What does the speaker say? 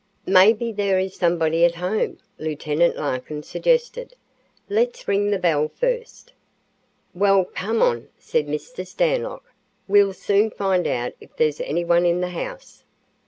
"Maybe there is somebody at home," Lieutenant Larkin suggested. "Let's ring the bell first" "Well, come on," said Mr. Stanlock. "We'll soon find out if there's anyone in the house."